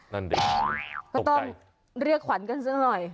เป็นต้องเรียกขวัญกันซิหน่อย